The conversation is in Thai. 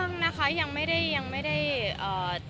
นะคะยังไม่ได้ยังไม่ได้เอ่อ